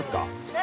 ◆何？